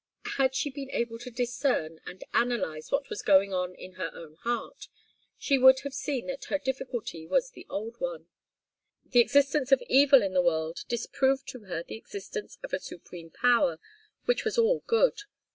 Had she been able to discern and analyze what was going on in her own heart, she would have seen that her difficulty was the old one. The existence of evil in the world disproved to her the existence of a Supreme Power which was all good.